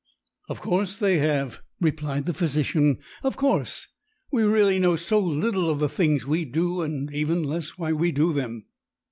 "Of course they have," replied the physician. "Of course! We really know so little of the things we do and even less why we do them.